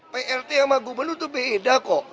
plt sama gubernur itu beda kok